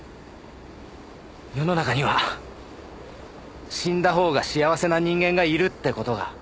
世の中には死んだほうが幸せな人間がいるって事が。